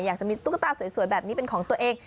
อยากจะมีตุ๊กตาสวยแบบนี้เป็นของตัวเอง